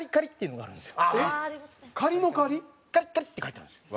えっ？の？って書いてあるんですよ。